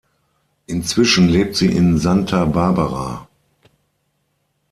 Inzwischen lebt sie in Santa Barbara.